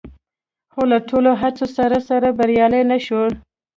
خو له ټولو هڅو سره سره بریالي نه شول